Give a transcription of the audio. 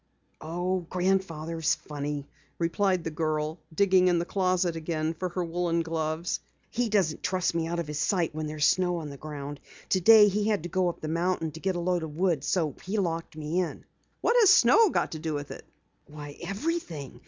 "Oh, Grandfather is funny," replied the girl, digging in the closet again for her woolen gloves. "He doesn't trust me out of his sight when there's snow on the ground. Today he had to go up the mountain to get a load of wood so he locked me in." "What has snow to do with it?" "Why, everything!